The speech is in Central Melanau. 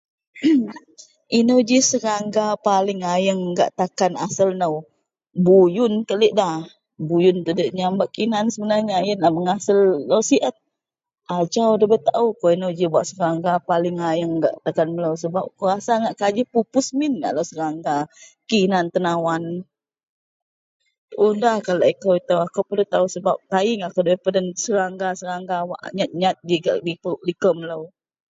Ehem Ino ji serangga paling ayeang gak takan asel nou. Buyun kaliek nda, buyun diyak nyam bak kinan sebenarnya. Ienlah mengasel lo siet, ajau dabei taao akou wak paling ayeang gak takan melo sebab akou rasa ngak kajih pupus min lo serangga kinan tenawan. Tuo nda kah laei kou ito akou sebab taei ngak akou nda peden serangga wak nyat-nyat ga liko melo.